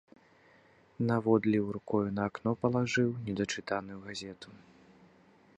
Наводліў рукою на акно палажыў недачытаную газету.